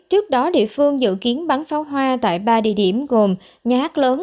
trước đó địa phương dự kiến bắn pháo hoa tại ba địa điểm gồm nhà hát lớn